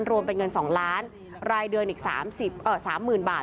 รวมเป็นเงิน๒ล้านรายเดือนอีก๓๐๐๐บาท